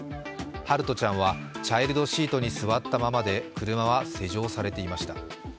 陽翔ちゃんはチャイルドシートに座ったままで車は施錠されていました。